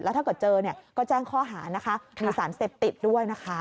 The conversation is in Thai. แล้วถ้าเจอก็แจ้งข้อหานะคะมีสารเสพติดด้วยนะคะ